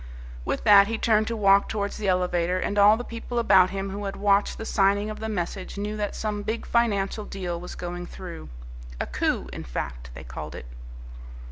With that he turned to walk towards the elevator, and all the people about him who had watched the signing of the message knew that some big financial deal was going through a coup, in fact, they called it.